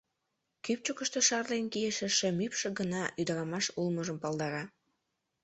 Кӱпчыкыштӧ шарлен кийыше шем ӱпшӧ гына ӱдырамаш улмыжым палдара.